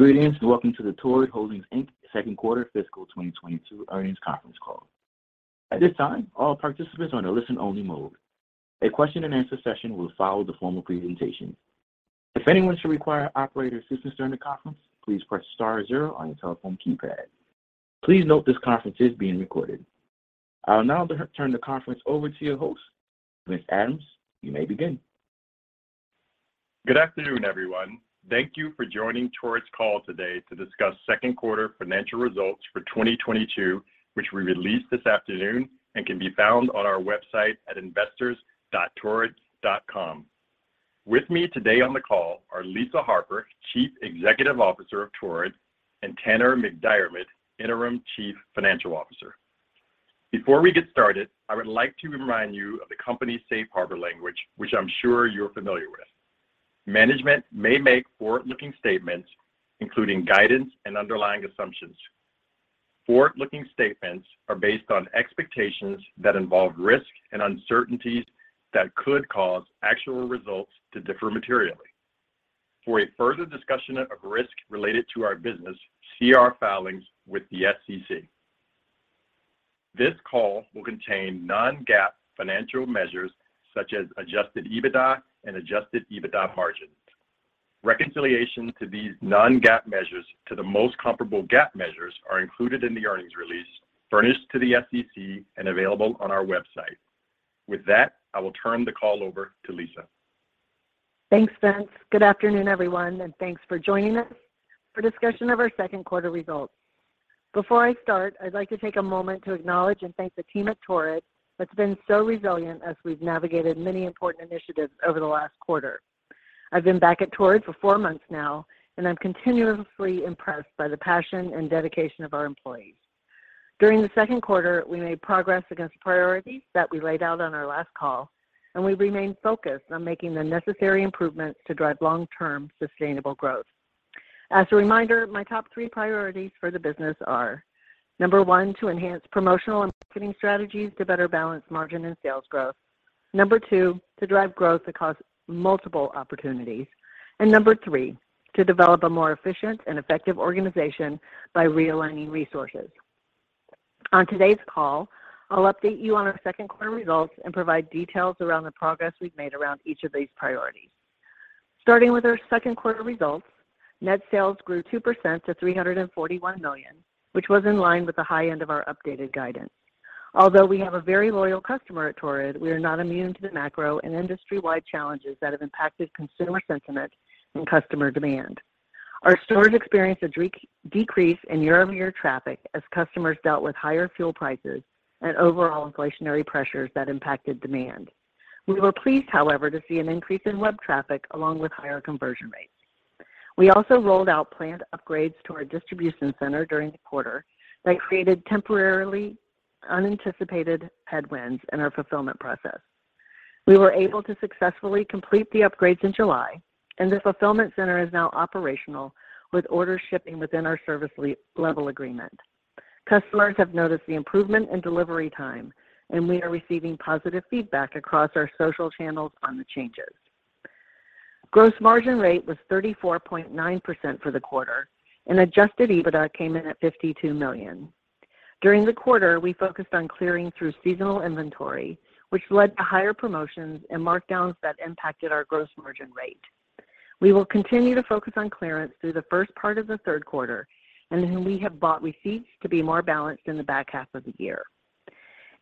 Greetings, and Welcome to the Torrid Holdings, Inc. Second Quarter Fiscal 2022 Earnings Conference Call. At this time, all participants are in a listen-only mode. A question-and-answer session will follow the formal presentation. If anyone should require operator assistance during the conference, please press star zero on your telephone keypad. Please note this conference is being recorded. I will now turn the conference over to your host. Vince Adams, you may begin. Good afternoon, Everyone. Thank you for joining Torrid's call today to discuss Second Quarter Financial Results for 2022, which we released this afternoon and can be found on our website at investors.torrid.com. With me today on the call are Lisa Harper, Chief Executive Officer of Torrid, and Tanner MacDiarmid, Interim Chief Financial Officer. Before we get started, I would like to remind you of the company's safe harbor language, which I'm sure you're familiar with. Management may make forward-looking statements, including guidance and underlying assumptions. Forward-looking statements are based on expectations that involve risks and uncertainties that could cause actual results to differ materially. For a further discussion of risks related to our business, see our filings with the SEC. This call will contain non-GAAP financial measures such as adjusted EBITDA and adjusted EBITDA margin. Reconciliation to these non-GAAP measures to the most comparable GAAP measures are included in the earnings release furnished to the SEC and available on our website. With that, I will turn the call over to Lisa. Thanks, Vince. Good afternoon, everyone, and thanks for joining us for discussion of our second quarter results. Before I start, I'd like to take a moment to acknowledge and thank the team at Torrid that's been so resilient as we've navigated many important initiatives over the last quarter. I've been back at Torrid for four months now, and I'm continuously impressed by the passion and dedication of our employees. During the second quarter, we made progress against priorities that we laid out on our last call, and we remained focused on making the necessary improvements to drive long-term sustainable growth. As a reminder, my top three priorities for the business are, number one, to enhance promotional and marketing strategies to better balance margin and sales growth. Number two, to drive growth across multiple opportunities. Number three, to develop a more efficient and effective organization by realigning resources. On today's call, I'll update you on our second quarter results and provide details around the progress we've made around each of these priorities. Starting with our second quarter results, net sales grew 2% to $341 million, which was in line with the high end of our updated guidance. Although we have a very loyal customer at Torrid, we are not immune to the macro and industry-wide challenges that have impacted consumer sentiment and customer demand. Our stores experienced a decrease in year-over-year traffic as customers dealt with higher fuel prices and overall inflationary pressures that impacted demand. We were pleased, however, to see an increase in web traffic along with higher conversion rates. We also rolled out planned upgrades to our distribution center during the quarter that created temporarily unanticipated headwinds in our fulfillment process. We were able to successfully complete the upgrades in July, and the fulfillment center is now operational with orders shipping within our service level agreement. Customers have noticed the improvement in delivery time, and we are receiving positive feedback across our social channels on the changes. Gross margin rate was 34.9% for the quarter, and adjusted EBITDA came in at $52 million. During the quarter, we focused on clearing through seasonal inventory, which led to higher promotions and markdowns that impacted our gross margin rate. We will continue to focus on clearance through the first part of the third quarter, and then we have bought receipts to be more balanced in the back half of the year.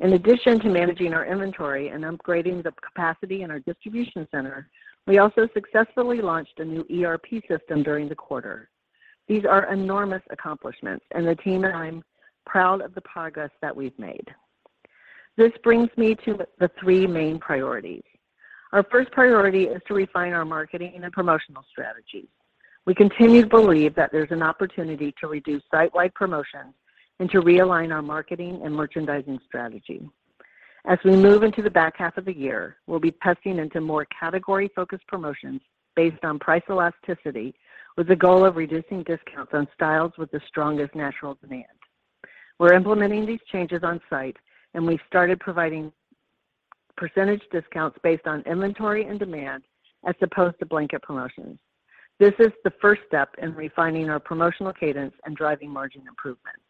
In addition to managing our inventory and upgrading the capacity in our distribution center, we also successfully launched a new ERP system during the quarter. These are enormous accomplishments, and the team and I am proud of the progress that we've made. This brings me to the three main priorities. Our first priority is to refine our marketing and promotional strategies. We continue to believe that there's an opportunity to reduce site-wide promotions and to realign our marketing and merchandising strategy. As we move into the back half of the year, we'll be testing into more category-focused promotions based on price elasticity with the goal of reducing discounts on styles with the strongest natural demand. We're implementing these changes on site, and we started providing percentage discounts based on inventory and demand as opposed to blanket promotions. This is the first step in refining our promotional cadence and driving margin improvements.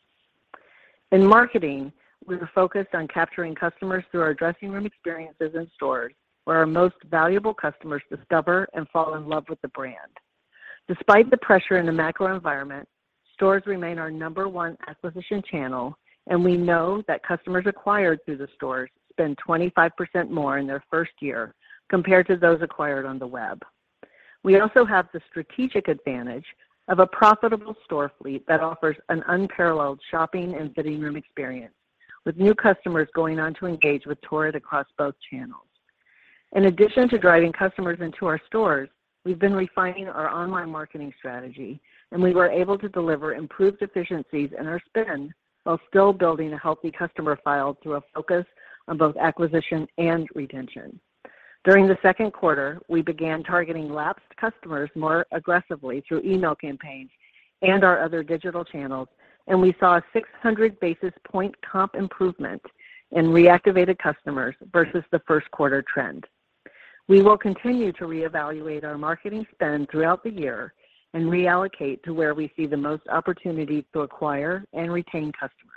In marketing, we are focused on capturing customers through our dressing room experiences in stores where our most valuable customers discover and fall in love with the brand. Despite the pressure in the macro environment, stores remain our number one acquisition channel, and we know that customers acquired through the stores spend 25% more in their first year compared to those acquired on the web. We also have the strategic advantage of a profitable store fleet that offers an unparalleled shopping and fitting room experience, with new customers going on to engage with Torrid across both channels. In addition to driving customers into our stores, we've been refining our online marketing strategy, and we were able to deliver improved efficiencies in our spend while still building a healthy customer file through a focus on both acquisition and retention. During the second quarter, we began targeting lapsed customers more aggressively through email campaigns and our other digital channels, and we saw a 600 basis point comp improvement in reactivated customers versus the first quarter trend. We will continue to reevaluate our marketing spend throughout the year and reallocate to where we see the most opportunity to acquire and retain customers.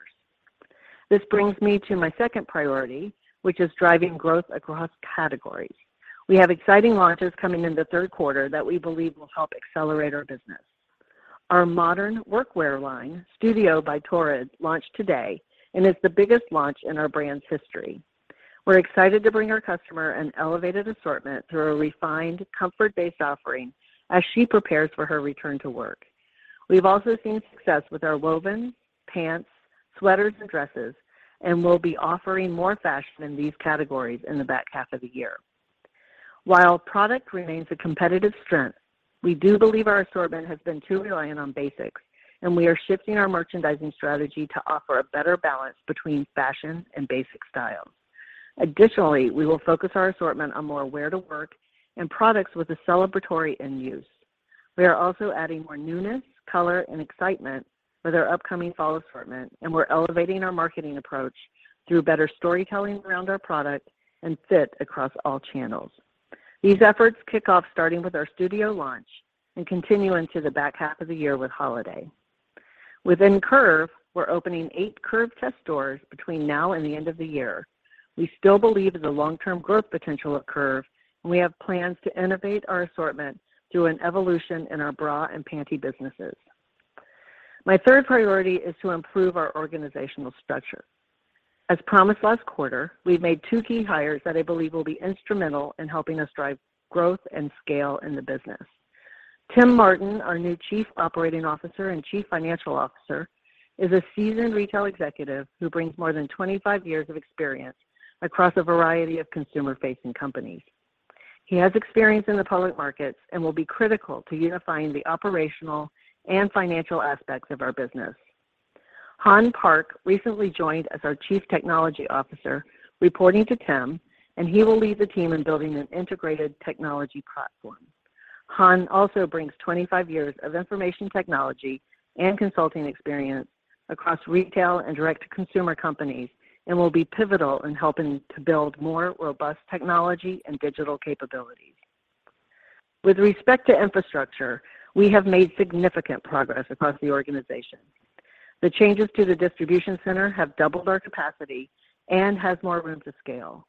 This brings me to my second priority, which is driving growth across categories. We have exciting launches coming in the third quarter that we believe will help accelerate our business. Our modern workwear line, Studio by Torrid, launched today and is the biggest launch in our brand's history. We're excited to bring our customer an elevated assortment through a refined comfort-based offering as she prepares for her return to work. We've also seen success with our woven pants, sweaters, and dresses, and we'll be offering more fashion in these categories in the back half of the year. While product remains a competitive strength, we do believe our assortment has been too reliant on basics, and we are shifting our merchandising strategy to offer a better balance between fashion and basic style. Additionally, we will focus our assortment on more wear-to-work and products with a celebratory end use. We are also adding more newness, color, and excitement with our upcoming fall assortment, and we're elevating our marketing approach through better storytelling around our product and fit across all channels. These efforts kick off starting with our studio launch and continue into the back half of the year with holiday. Within CURV, we're opening eight CURV test stores between now and the end of the year. We still believe in the long-term growth potential of CURV, and we have plans to innovate our assortment through an evolution in our bra and panty businesses. My third priority is to improve our organizational structure. As promised last quarter, we've made two key hires that I believe will be instrumental in helping us drive growth and scale in the business. Tim Martin, our new Chief Operating Officer and Chief Financial Officer, is a seasoned retail executive who brings more than 25 years of experience across a variety of consumer-facing companies. He has experience in the public markets and will be critical to unifying the operational and financial aspects of our business. Hyon Park recently joined as our Chief Technology Officer, reporting to Tim, and he will lead the team in building an integrated technology platform. Hyon also brings 25 years of information technology and consulting experience across retail and direct-to-consumer companies and will be pivotal in helping to build more robust technology and digital capabilities. With respect to infrastructure, we have made significant progress across the organization. The changes to the distribution center have doubled our capacity and has more room to scale.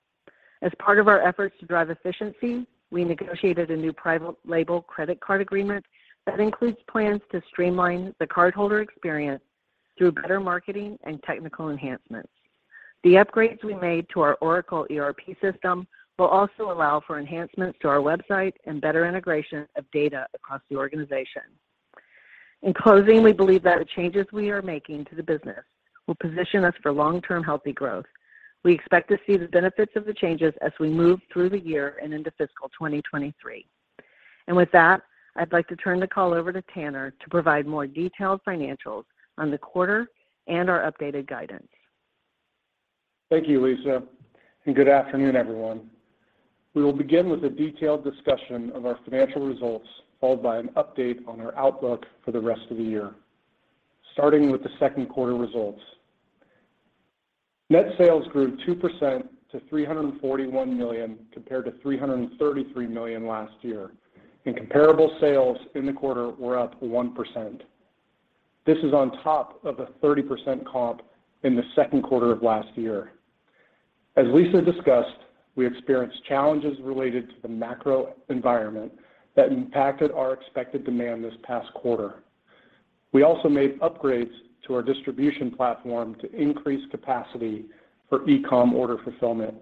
As part of our efforts to drive efficiency, we negotiated a new private label credit card agreement that includes plans to streamline the cardholder experience through better marketing and technical enhancements. The upgrades we made to our Oracle ERP system will also allow for enhancements to our website and better integration of data across the organization. In closing, we believe that the changes we are making to the business will position us for long-term healthy growth. We expect to see the benefits of the changes as we move through the year and into fiscal 2023. With that, I'd like to turn the call over to Tanner to provide more detailed financials on the quarter and our updated guidance. Thank you, Lisa, and good afternoon, everyone. We will begin with a detailed discussion of our financial results, followed by an update on our outlook for the rest of the year. Starting with the second quarter results. Net sales grew 2% to $341 million compared to $333 million last year, and comparable sales in the quarter were up 1%. This is on top of a 30% comp in the second quarter of last year. As Lisa discussed, we experienced challenges related to the macro environment that impacted our expected demand this past quarter. We also made upgrades to our distribution platform to increase capacity for e-com order fulfillment,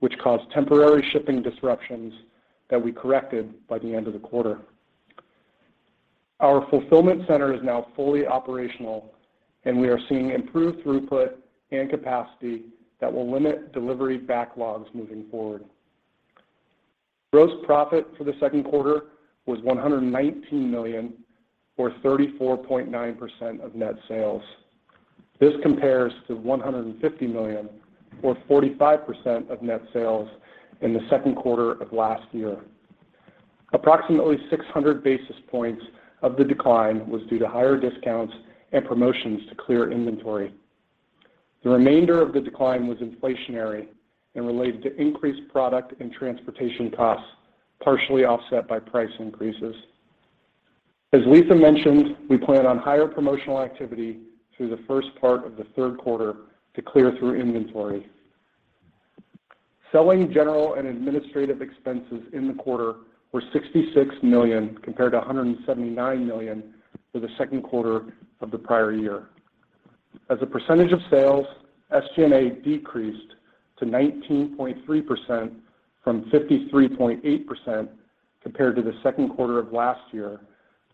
which caused temporary shipping disruptions that we corrected by the end of the quarter. Our fulfillment center is now fully operational, and we are seeing improved throughput and capacity that will limit delivery backlogs moving forward. Gross profit for the second quarter was $119 million or 34.9% of net sales. This compares to $150 million or 45% of net sales in the second quarter of last year. Approximately 600 basis points of the decline was due to higher discounts and promotions to clear inventory. The remainder of the decline was inflationary and related to increased product and transportation costs, partially offset by price increases. As Lisa mentioned, we plan on higher promotional activity through the first part of the third quarter to clear through inventory. Selling, general, and administrative expenses in the quarter were $66 million compared to $179 million for the second quarter of the prior year. As a percentage of sales, SG&A decreased to 19.3% from 53.8% compared to the second quarter of last year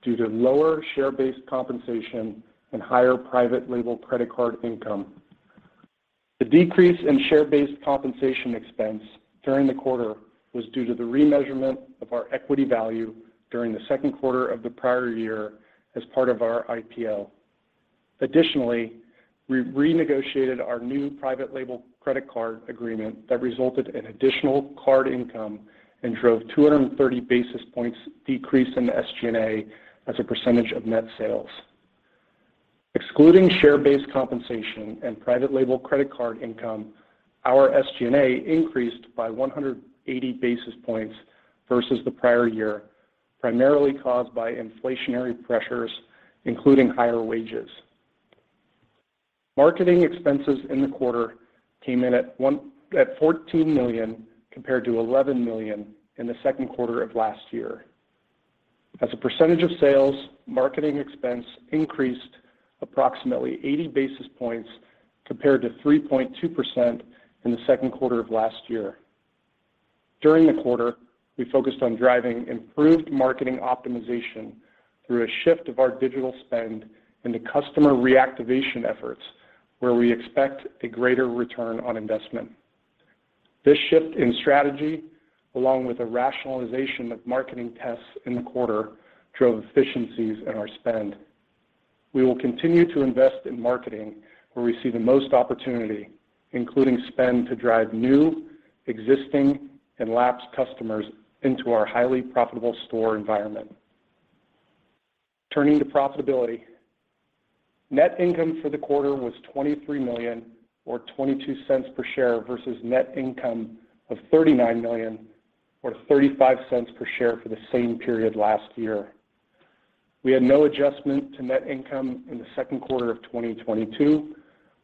due to lower share-based compensation and higher private label credit card income. The decrease in share-based compensation expense during the quarter was due to the remeasurement of our equity value during the second quarter of the prior year as part of our IPO. Additionally, we renegotiated our new private label credit card agreement that resulted in additional card income and drove 230 basis points decrease in the SG&A as a percentage of net sales. Excluding share-based compensation and private label credit card income, our SG&A increased by 180 basis points versus the prior year, primarily caused by inflationary pressures, including higher wages. Marketing expenses in the quarter came in at $14 million compared to $11 million in the second quarter of last year. As a percentage of sales, marketing expense increased approximately 80 basis points compared to 3.2% in the second quarter of last year. During the quarter, we focused on driving improved marketing optimization through a shift of our digital spend into customer reactivation efforts, where we expect a greater return on investment. This shift in strategy, along with a rationalization of marketing tests in the quarter, drove efficiencies in our spend. We will continue to invest in marketing where we see the most opportunity, including spend to drive new, existing, and lapsed customers into our highly profitable store environment. Turning to profitability, net income for the quarter was $23 million or $0.22 per share versus net income of $39 million or $0.35 per share for the same period last year. We had no adjustment to net income in the second quarter of 2022,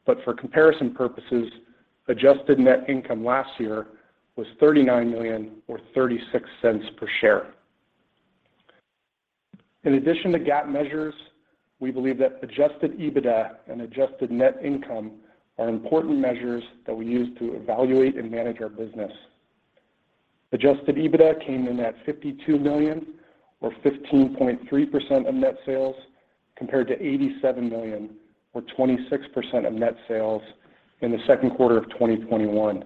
but for comparison purposes, adjusted net income last year was $39 million or $0.36 per share. In addition to GAAP measures, we believe that adjusted EBITDA and adjusted net income are important measures that we use to evaluate and manage our business. Adjusted EBITDA came in at $52 million or 15.3% of net sales, compared to $87 million or 26% of net sales in the second quarter of 2021.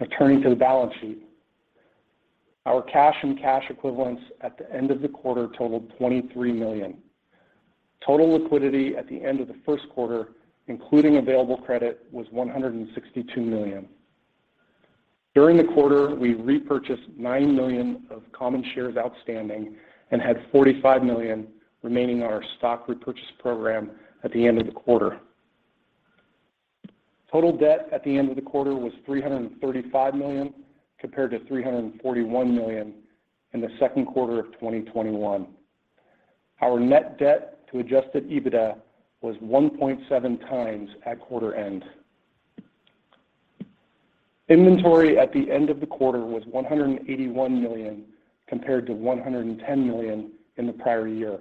Now turning to the balance sheet. Our cash and cash equivalents at the end of the quarter totaled $23 million. Total liquidity at the end of the first quarter, including available credit, was $162 million. During the quarter, we repurchased 9 million of common shares outstanding and had $45 million remaining on our stock repurchase program at the end of the quarter. Total debt at the end of the quarter was $335 million, compared to $341 million in the second quarter of 2021. Our net debt to adjusted EBITDA was 1.7x at quarter end. Inventory at the end of the quarter was $181 million, compared to $110 million in the prior year.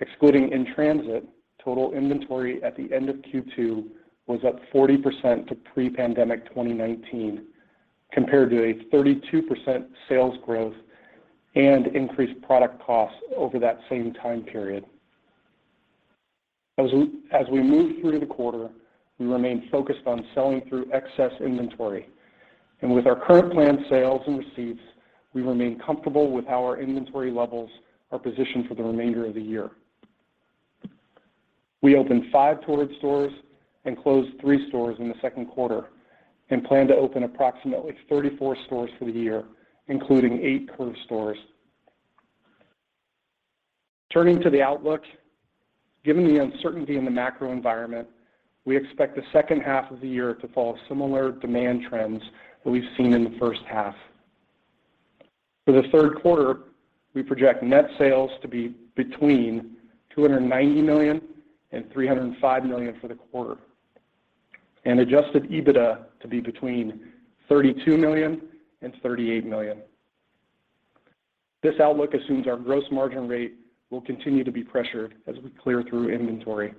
Excluding in-transit, total inventory at the end of Q2 was up 40% to pre-pandemic 2019, compared to a 32% sales growth and increased product costs over that same time period. As we move through the quarter, we remain focused on selling through excess inventory. With our current planned sales and receipts, we remain comfortable with how our inventory levels are positioned for the remainder of the year. We opened five Torrid stores and closed three stores in the second quarter and plan to open approximately 34 stores for the year, including eight CURV stores. Turning to the outlook, given the uncertainty in the macro environment, we expect the second half of the year to follow similar demand trends that we've seen in the first half. For the third quarter, we project net sales to be between $290 million and $305 million for the quarter, and adjusted EBITDA to be between $32 million and $38 million. This outlook assumes our gross margin rate will continue to be pressured as we clear through inventory.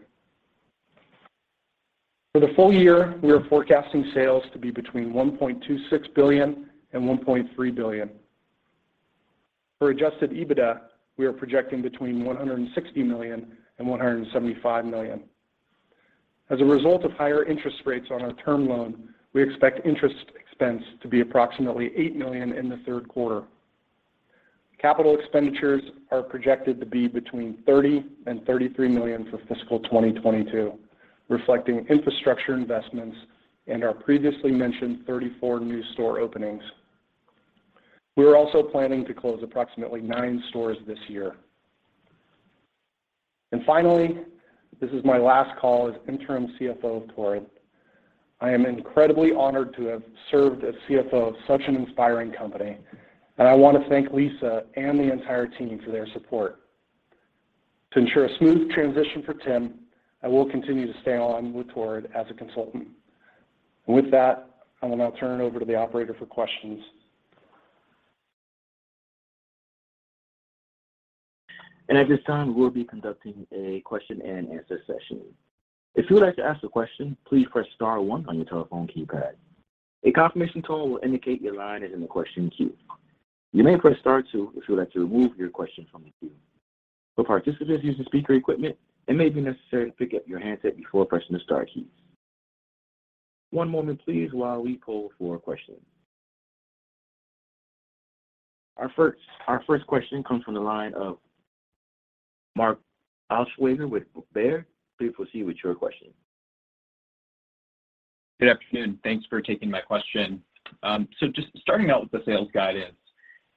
For the full year, we are forecasting sales to be between $1.26 billion and $1.3 billion. For adjusted EBITDA, we are projecting between $160 million and $175 million. As a result of higher interest rates on our term loan, we expect interest expense to be approximately $8 million in the third quarter. Capital expenditures are projected to be between $30 million and $33 million for fiscal 2022, reflecting infrastructure investments and our previously mentioned 34 new store openings. We are also planning to close approximately nine stores this year. Finally, this is my last call as interim CFO of Torrid. I am incredibly honored to have served as CFO of such an inspiring company, and I want to thank Lisa and the entire team for their support. To ensure a smooth transition for Tim, I will continue to stay on with Torrid as a consultant. With that, I will now turn it over to the operator for questions. At this time, we'll be conducting a question and answer session. If you would like to ask a question, please press star one on your telephone keypad. A confirmation tone will indicate your line is in the question queue. You may press star two if you would like to remove your question from the queue. For participants using speaker equipment, it may be necessary to pick up your handset before pressing the star key. One moment please while we poll for questions. Our first question comes from the line of Mark Altschwager with Baird. Please proceed with your question. Good afternoon. Thanks for taking my question. Just starting out with the sales guidance,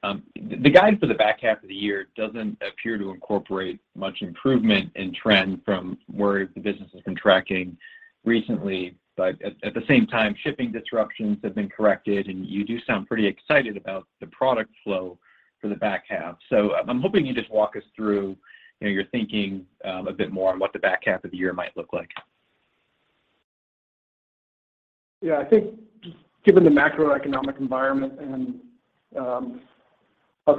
the guide for the back half of the year doesn't appear to incorporate much improvement in trend from where the business has been tracking recently. At the same time, shipping disruptions have been corrected, and you do sound pretty excited about the product flow for the back half. I'm hoping you just walk us through, you know, your thinking, a bit more on what the back half of the year might look like. Yeah. I think just given the macroeconomic environment and us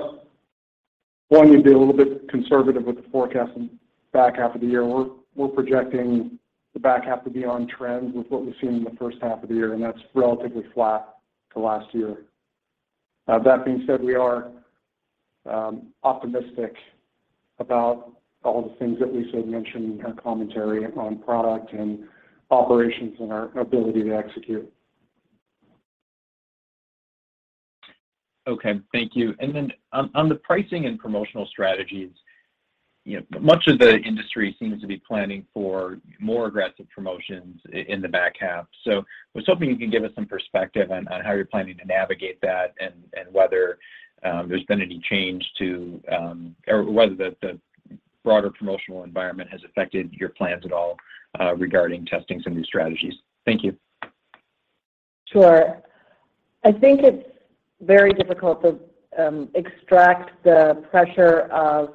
wanting to be a little bit conservative with the forecast in the back half of the year, we're projecting the back half to be on trend with what we've seen in the first half of the year, and that's relatively flat to last year. That being said, we are optimistic about all the things that Lisa had mentioned in her commentary on product and operations and our ability to execute. Okay. Thank you. Then on the pricing and promotional strategies, you know, much of the industry seems to be planning for more aggressive promotions in the back half. I was hoping you could give us some perspective on how you're planning to navigate that and whether there's been any change to or whether the broader promotional environment has affected your plans at all, regarding testing some of these strategies. Thank you. Sure. I think it's very difficult to extract the pressure of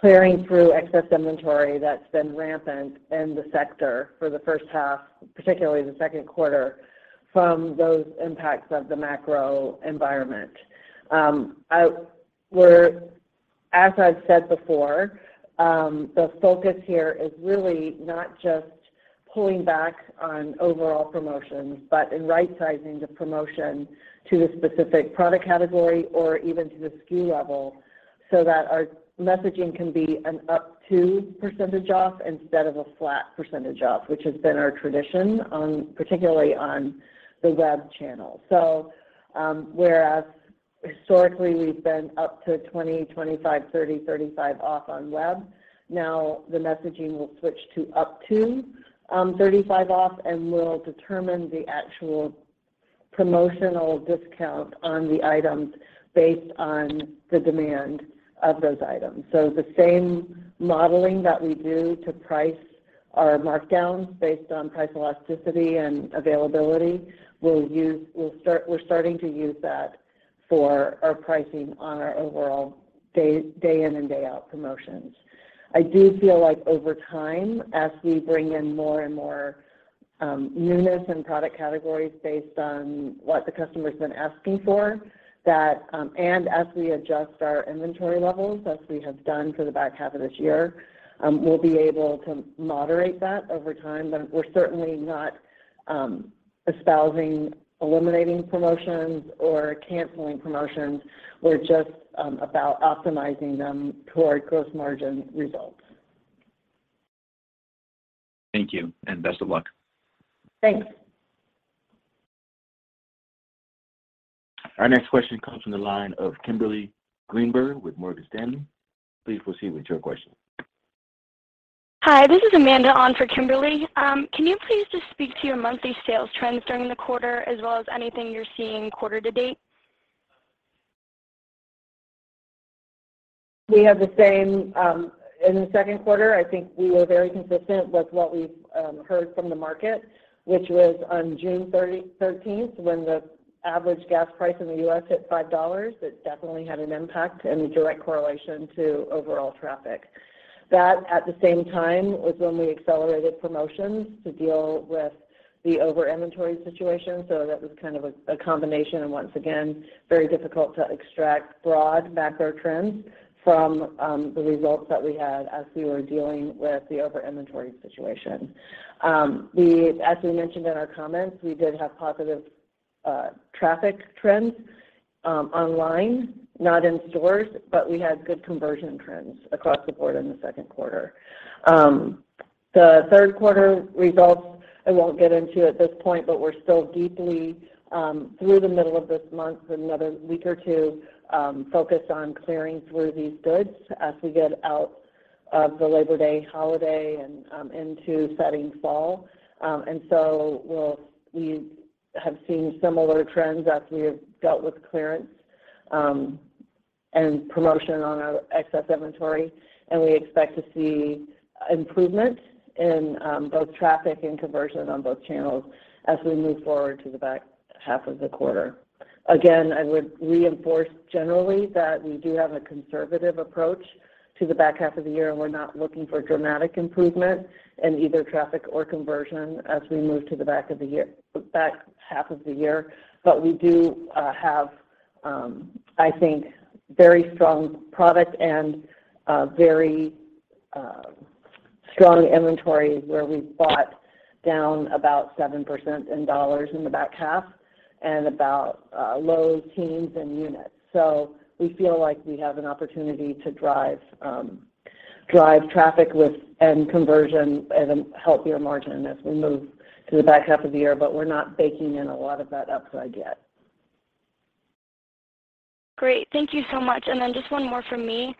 clearing through excess inventory that's been rampant in the sector for the first half, particularly the second quarter, from those impacts of the macro environment. As I've said before, the focus here is really not just pulling back on overall promotions, but in right-sizing the promotion to the specific product category or even to the SKU level so that our messaging can be an up to percentage off instead of a flat percentage off, which has been our tradition on, particularly on the web channel. Whereas historically, we've been up to 20, 25, 30, 35% off on web, now the messaging will switch to up to 35% off, and we'll determine the actual promotional discount on the items based on the demand of those items. The same modeling that we do to price our markdowns based on price elasticity and availability, we're starting to use that for our pricing on our overall day in and day out promotions. I do feel like over time, as we bring in more and more newness and product categories based on what the customer's been asking for, as we adjust our inventory levels as we have done for the back half of this year, we'll be able to moderate that over time. We're certainly not espousing eliminating promotions or canceling promotions. We're just about optimizing them to our gross margin results. Thank you, and best of luck. Thanks. Our next question comes from the line of Kimberly Greenberger with Morgan Stanley. Please proceed with your question. Hi, this is Amanda on for Kimberly. Can you please just speak to your monthly sales trends during the quarter as well as anything you're seeing quarter to date? We have the same. In the second quarter, I think we were very consistent with what we've heard from the market, which was on June thirteenth when the average gas price in the U.S. hit $5. It definitely had an impact and a direct correlation to overall traffic. That, at the same time, was when we accelerated promotions to deal with the overinventory situation. That was kind of a combination, and once again, very difficult to extract broad macro trends from the results that we had as we were dealing with the overinventory situation. As we mentioned in our comments, we did have positive traffic trends online, not in stores, but we had good conversion trends across the board in the second quarter. The third quarter results I won't get into at this point, but we're still deeply through the middle of this month and another week or two focused on clearing through these goods as we get out of the Labor Day holiday and into setting fall. We have seen similar trends as we have dealt with clearance and promotion on our excess inventory. We expect to see improvement in both traffic and conversion on both channels as we move forward to the back half of the quarter. Again, I would reinforce generally that we do have a conservative approach to the back half of the year, and we're not looking for dramatic improvement in either traffic or conversion as we move to the back half of the year. We do have, I think, very strong product and very strong inventory where we've bought down about 7% in dollars in the back half and about low teens in units. We feel like we have an opportunity to drive traffic and conversion at a healthier margin as we move to the back half of the year, but we're not baking in a lot of that upside yet. Great. Thank you so much. Just one more from me.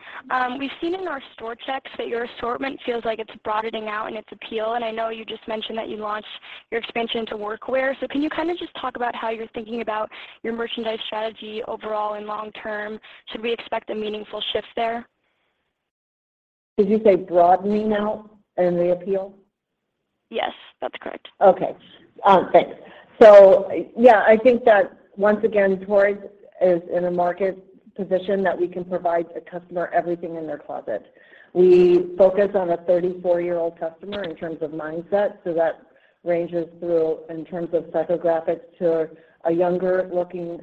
We've seen in our store checks that your assortment feels like it's broadening out in its appeal, and I know you just mentioned that you launched your expansion to workwear. Can you kinda just talk about how you're thinking about your merchandise strategy overall and long term? Should we expect a meaningful shift there? Did you say broadening out in the appeal? Yes, that's correct. Okay. Thanks. Yeah, I think that once again, Torrid is in a market position that we can provide the customer everything in their closet. We focus on a 34-year-old customer in terms of mindset, so that ranges through, in terms of psychographics, to a younger looking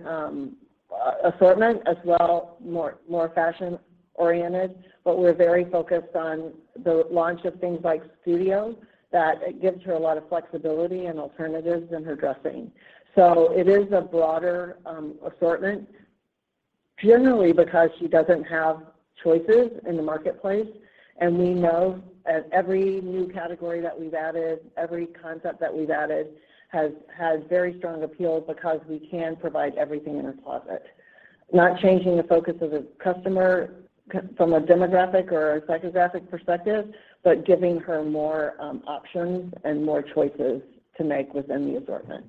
assortment as well, more fashion oriented. We're very focused on the launch of things like Studio, that it gives her a lot of flexibility and alternatives in her dressing. It is a broader assortment generally because she doesn't have choices in the marketplace. We know as every new category that we've added, every concept that we've added has very strong appeal because we can provide everything in her closet. Not changing the focus of the customer from a demographic or a psychographic perspective, but giving her more options and more choices to make within the assortment.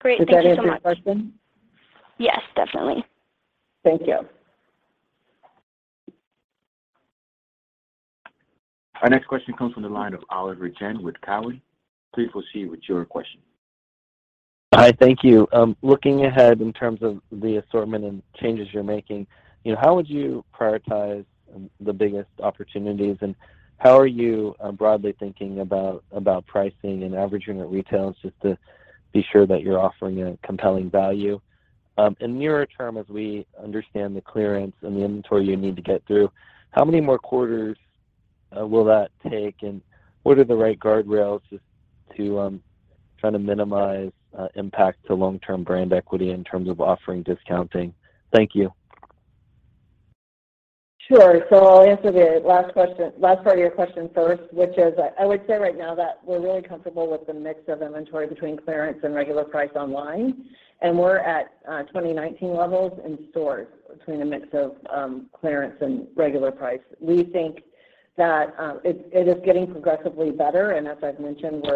Great. Thank you so much. Did that answer your question? Yes, definitely. Thank you. Our next question comes from the line of Oliver Chen with Cowen. Please proceed with your question. Hi. Thank you. Looking ahead in terms of the assortment and changes you're making, you know, how would you prioritize the biggest opportunities and how are you broadly thinking about pricing and average retail just to be sure that you're offering a compelling value? In the near term, as we understand the clearance and the inventory you need to get through, how many more quarters will that take and what are the right guardrails just to kinda minimize impact to long-term brand equity in terms of offering discounting? Thank you. Sure. I'll answer the last question, last part of your question first, which is, I would say right now that we're really comfortable with the mix of inventory between clearance and regular price online, and we're at 2019 levels in stores between a mix of clearance and regular price. We think that it is getting progressively better and as I've mentioned,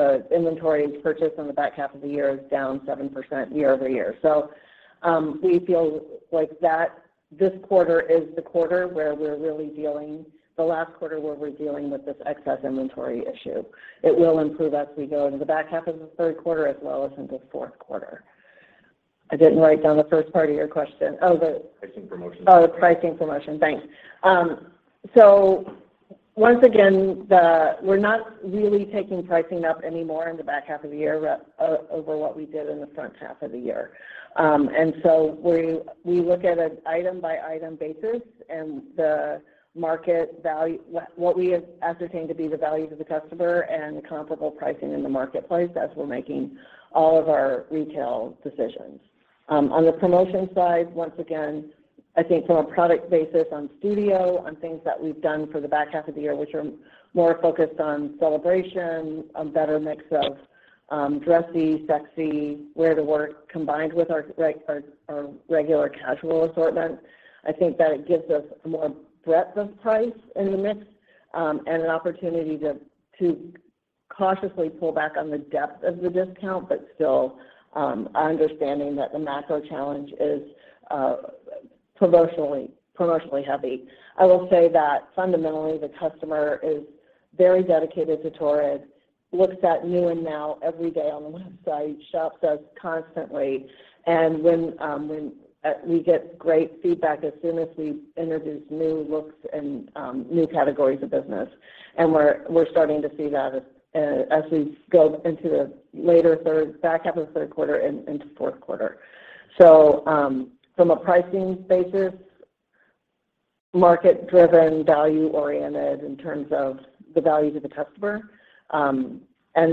the inventory purchase on the back half of the year is down 7% year-over-year. We feel like that this quarter is the last quarter where we're really dealing with this excess inventory issue. It will improve as we go into the back half of the third quarter as well as into fourth quarter. I didn't write down the first part of your question. Pricing promotions. Oh, pricing promotion. Thanks. Once again, we're not really taking pricing up any more in the back half of the year over what we did in the front half of the year. We look at an item-by-item basis and the market value, what we ascertain to be the value to the customer and comparable pricing in the marketplace as we're making all of our retail decisions. On the promotion side, once again, I think from a product basis on Studio, on things that we've done for the back half of the year, which are more focused on celebration, a better mix of dressy, sexy, wear-to-work, combined with our like our regular casual assortment. I think that it gives us a more breadth of price in the mix, and an opportunity to cautiously pull back on the depth of the discount, but still understanding that the macro challenge is promotionally heavy. I will say that fundamentally, the customer is very dedicated to Torrid, looks at new and now every day on the website, shops us constantly. When we get great feedback as soon as we introduce new looks and new categories of business, and we're starting to see that as we go into the latter third, back half of the third quarter and into fourth quarter. From a pricing basis, market-driven, value-oriented in terms of the value to the customer, and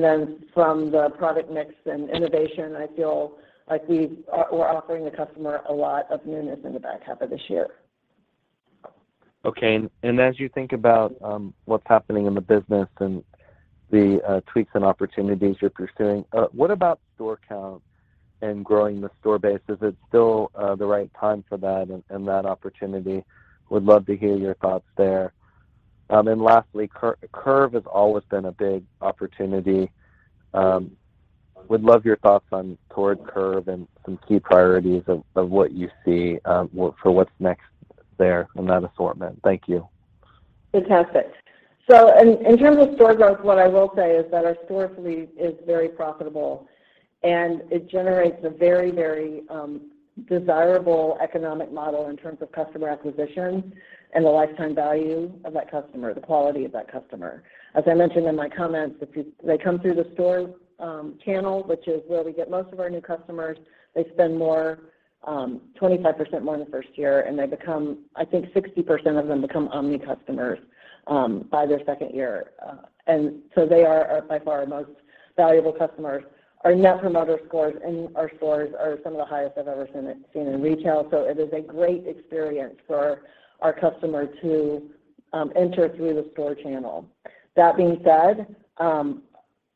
then from the product mix and innovation, I feel like offering the customer a lot of newness in the back half of this year. Okay. As you think about what's happening in the business and the tweaks and opportunities you're pursuing, what about store count and growing the store base? Is it still the right time for that and that opportunity? Would love to hear your thoughts there. Lastly, CURV has always been a big opportunity. Would love your thoughts on toward CURV and some key priorities of what you see for what's next there in that assortment. Thank you. Fantastic. In terms of store growth, what I will say is that our store fleet is very profitable and it generates a very desirable economic model in terms of customer acquisition and the lifetime value of that customer, the quality of that customer. As I mentioned in my comments, they come through the store channel, which is where we get most of our new customers, they spend more 25% more in the first year, and they become, I think 60% of them become omni-customers by their second year. They are by far our most valuable customers. Our Net Promoter Scores in our stores are some of the highest I've ever seen in retail. It is a great experience for our customer to enter through the store channel. That being said,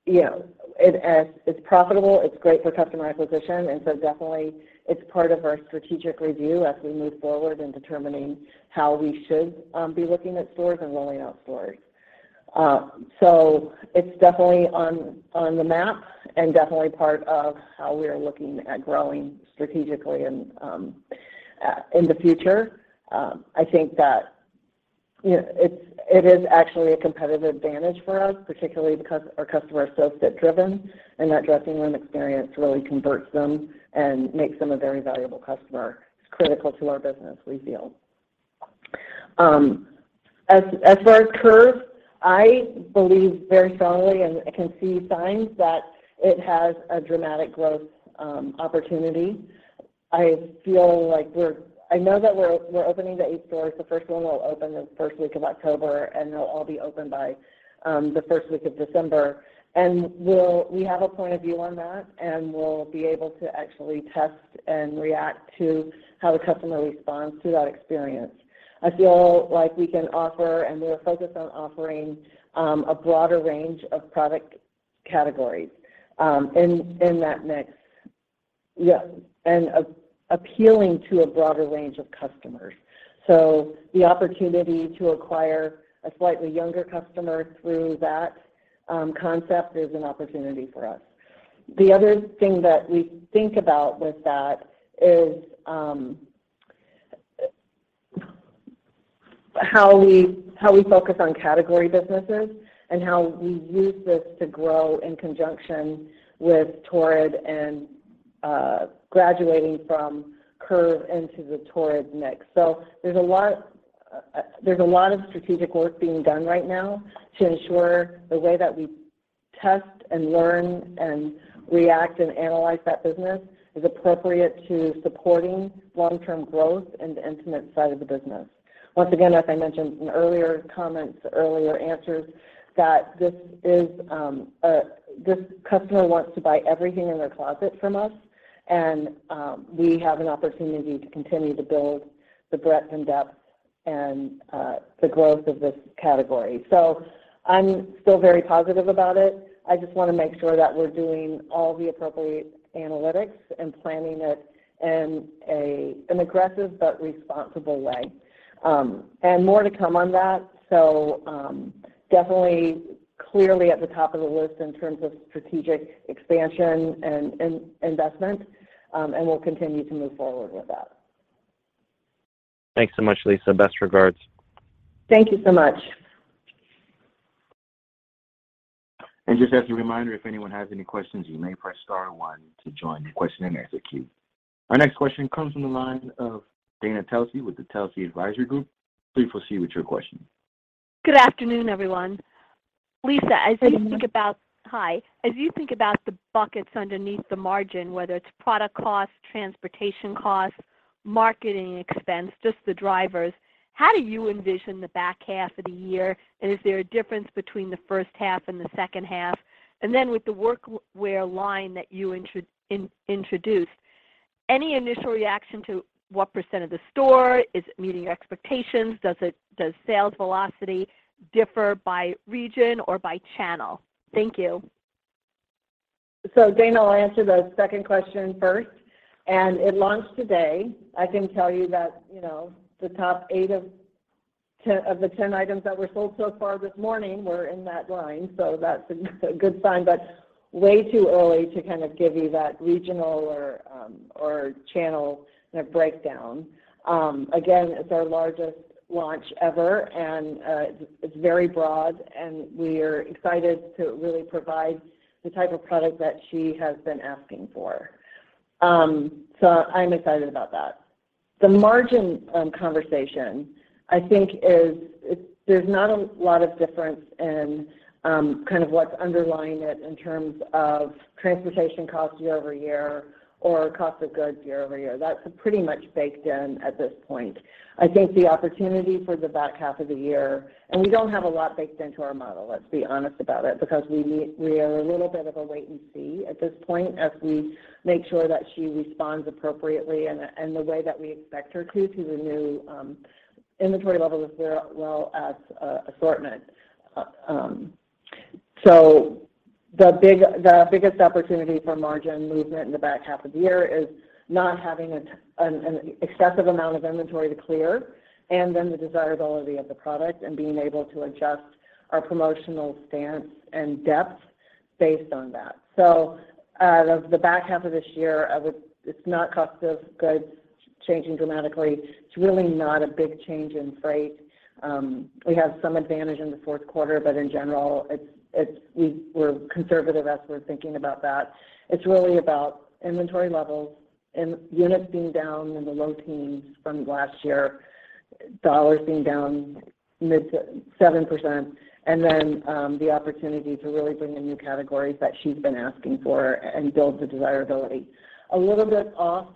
you know, it as it's profitable, it's great for customer acquisition. Definitely it's part of our strategic review as we move forward in determining how we should be looking at stores and rolling out stores. It's definitely on the map and definitely part of how we are looking at growing strategically and in the future. I think that, you know, it is actually a competitive advantage for us, particularly because our customer is so fit driven, and that dressing room experience really converts them and makes them a very valuable customer. It's critical to our business, we feel. As far as CURV, I believe very strongly, and I can see signs that it has a dramatic growth opportunity. I feel like we're. I know that we're opening the eight stores. The first one will open the first week of October, and they'll all be open by the first week of December. We'll have a point of view on that, and we'll be able to actually test and react to how the customer responds to that experience. I feel like we can offer, and we're focused on offering, a broader range of product categories in that mix. Yes, appealing to a broader range of customers. The opportunity to acquire a slightly younger customer through that concept is an opportunity for us. The other thing that we think about with that is, how we focus on category businesses and how we use this to grow in conjunction with Torrid and, graduating from CURV into the Torrid mix. There's a lot of strategic work being done right now to ensure the way that we test and learn and react and analyze that business is appropriate to supporting long-term growth in the intimate side of the business. Once again, as I mentioned in earlier comments, earlier answers, that this is, this customer wants to buy everything in their closet from us, and, we have an opportunity to continue to build the breadth and depth and, the growth of this category. I'm still very positive about it. I just wanna make sure that we're doing all the appropriate analytics and planning it in an aggressive but responsible way. More to come on that. Definitely clearly at the top of the list in terms of strategic expansion and investment, and we'll continue to move forward with that. Thanks so much, Lisa. Best regards. Thank you so much. Just as a reminder, if anyone has any questions, you may press star one to join the question and answer queue. Our next question comes from the line of Dana Telsey with the Telsey Advisory Group. Please proceed with your question. Good afternoon, everyone. Lisa, as you think about. Good afternoon. Hi. As you think about the buckets underneath the margin, whether it's product costs, transportation costs, marketing expense, just the drivers, how do you envision the back half of the year, and is there a difference between the first half and the second half? With the workwear line that you introduced, any initial reaction to what percent of the store? Is it meeting your expectations? Does sales velocity differ by region or by channel? Thank you. Dana, I'll answer the second question first. It launched today. I can tell you that, you know, the top eight of the 10 items that were sold so far this morning were in that line. That's a good sign, but way too early to kind of give you that regional or channel kind of breakdown. Again, it's our largest launch ever, and it's very broad, and we're excited to really provide the type of product that she has been asking for. I'm excited about that. The margin conversation, I think there's not a lot of difference in kind of what's underlying it in terms of transportation costs year-over-year or cost of goods year-over-year. That's pretty much baked in at this point. I think the opportunity for the back half of the year, and we don't have a lot baked into our model, let's be honest about it, because we are a little bit of a wait and see at this point as we make sure that she responds appropriately in a, in the way that we expect her to the new, inventory levels as well as assortment. The biggest opportunity for margin movement in the back half of the year is not having an excessive amount of inventory to clear and then the desirability of the product and being able to adjust our promotional stance and depth based on that. The back half of this year, I would. It's not cost of goods changing dramatically. It's really not a big change in freight. We have some advantage in the fourth quarter, but in general, we're conservative as we're thinking about that. It's really about inventory levels and units being down in the low teens from last year, dollars being down mid- to 7%, and then the opportunity to really bring in new categories that she's been asking for and build the desirability. A little bit off,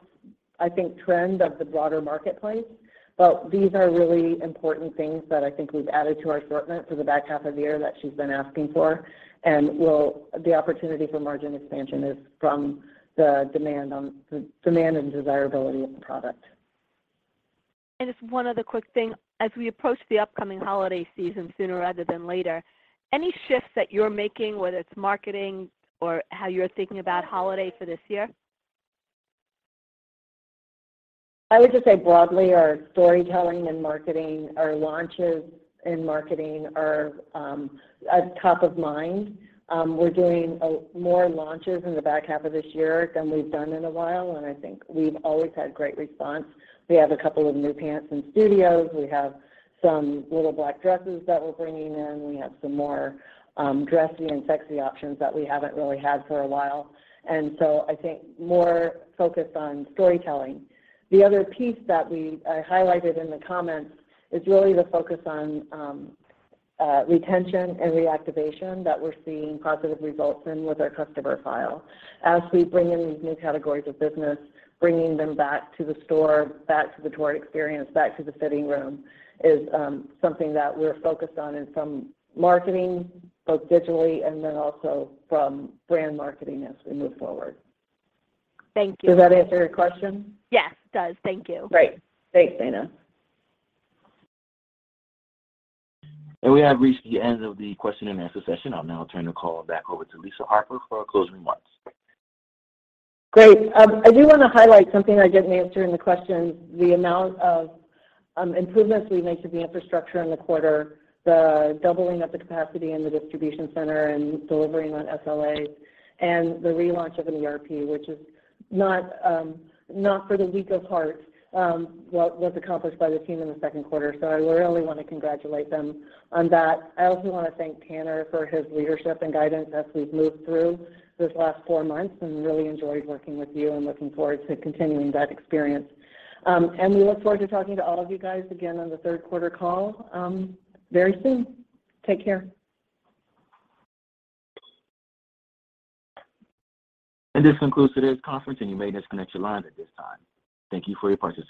I think, trend of the broader marketplace. These are really important things that I think we've added to our assortment for the back half of the year that she's been asking for and will. The opportunity for margin expansion is from the demand and desirability of the product. Just one other quick thing. As we approach the upcoming holiday season sooner rather than later, any shifts that you're making, whether it's marketing or how you're thinking about holiday for this year? I would just say broadly our storytelling and marketing, our launches in marketing are at top of mind. We're doing more launches in the back half of this year than we've done in a while, and I think we've always had great response. We have a couple of new pants in Studio. We have some little black dresses that we're bringing in. We have some more dressy and sexy options that we haven't really had for a while. I think more focus on storytelling. The other piece that I highlighted in the comments is really the focus on retention and reactivation that we're seeing positive results in with our customer file. As we bring in these new categories of business, bringing them back to the store, back to the Torrid experience, back to the fitting room is something that we're focused on in some marketing, both digitally and then also from brand marketing as we move forward. Thank you. Does that answer your question? Yes, it does. Thank you. Great. Thanks, Dana. We have reached the end of the question-and-answer session. I'll now turn the call back over to Lisa Harper for closing remarks. Great. I do wanna highlight something I didn't answer in the questions, the amount of improvements we made to the infrastructure in the quarter, the doubling of the capacity in the distribution center and delivering on SLAs, and the relaunch of an ERP, which is not for the weak of heart, what was accomplished by the team in the second quarter. I really wanna congratulate them on that. I also wanna thank Tanner for his leadership and guidance as we've moved through this last four months, and really enjoyed working with you and looking forward to continuing that experience. We look forward to talking to all of you guys again on the third quarter call, very soon. Take care. This concludes today's conference, and you may disconnect your line at this time. Thank you for your participation.